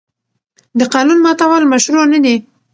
د قانون ماتول مشروع نه دي.